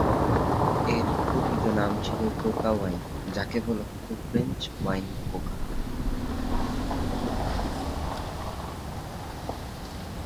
এর প্রকৃত নাম ছিলো কোকা ওয়াইন, যাকে বলা হতো ফ্রেঞ্চ ওয়াইন কোকা।